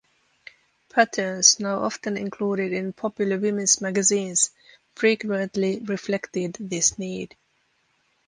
Patterns, now often included in popular women's magazines frequently reflected this need.